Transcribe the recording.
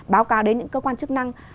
báo cáo đến những cơ quan chức năng